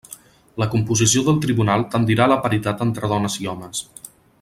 La composició del tribunal tendirà a la paritat entre dones i hòmens.